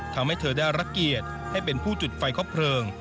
ทำให้เธอได้รับเกียรติให้เป็นผู้จุดไฟครบเพลิง